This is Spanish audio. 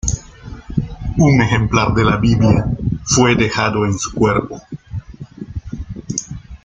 Un ejemplar de la Biblia fue dejado en su cuerpo.